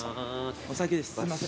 お先です。